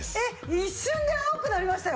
一瞬で青くなりましたよ。